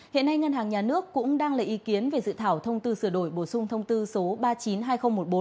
hiện nay ngân hàng nhà nước cũng đang lấy ý kiến về dự thảo thông tư sửa đổi bổ sung thông tư số ba trăm chín mươi hai nghìn một mươi bốn